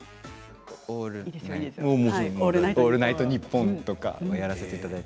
「オールナイトニッポン」とかやらせていただいて。